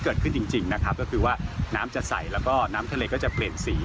เกิดขึ้นจริงนะครับก็คือว่าน้ำจะใสแล้วก็น้ำทะเลก็จะเปลี่ยนสี